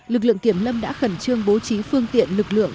lực lượng kiểm lâm đã khẩn trương bố trí phương tiện lực lượng